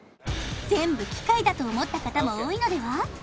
全部機械だと思った方も多いのでは？